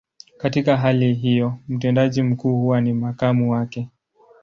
Katika hali hiyo, mtendaji mkuu huwa ni makamu wake.